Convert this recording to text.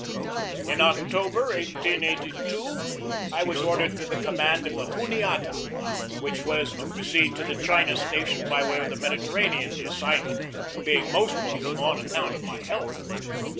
In October, 1882, I was ordered to the command of the Juniata, which was to proceed to the China station by way of the Mediterranean, the assignment being most welcome on account of my health.